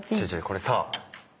これさ。